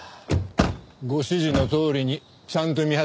ご指示のとおりにちゃんと見張っておきましたよ。